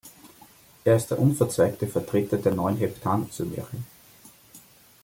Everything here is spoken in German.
Er ist der unverzweigte Vertreter der neun Heptan-Isomere.